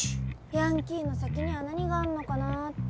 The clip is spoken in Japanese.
ヤンキーの先には何があんのかなぁって。